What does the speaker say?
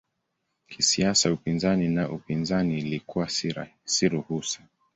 Kisiasa upinzani na upinzani ilikuwa si ruhusa.